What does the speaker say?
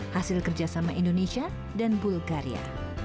hasil kerjasama indonesia dan bulgaria